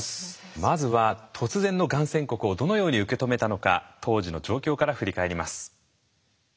まずは突然のがん宣告をどのように受け止めたのか当時の状況から振り返ります。